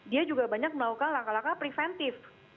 dia juga banyak melakukan langkah langkah preventif